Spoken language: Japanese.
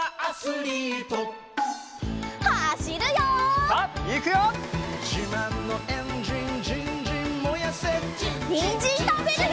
にんじんたべるよ！